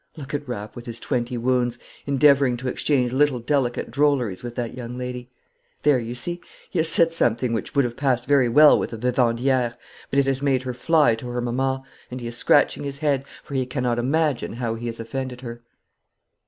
Look at Rapp with his twenty wounds, endeavouring to exchange little delicate drolleries with that young lady. There, you see, he has said something which would have passed very well with a vivandiere, but it has made her fly to her mamma, and he is scratching his head, for he cannot imagine how he has offended her.'